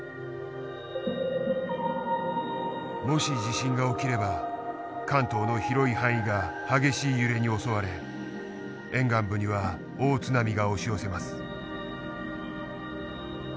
もし地震が起きれば関東の広い範囲が激しい揺れに襲われ沿岸部には大津波が押し寄せます。